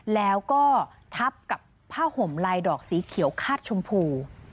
แล้วก็ทับกับผ้าห่มลายดอกสีเขียวคาดชมพู